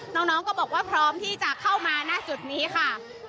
น้องก็บอกว่าพร้อมที่จะเข้ามาณจุดนี้ค่ะ